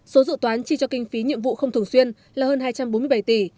số dự toán chi cho kinh phí nhiệm vụ không thường xuyên là hơn hai trăm bốn mươi bảy tỷ